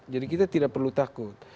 jadi kita tidak perlu takut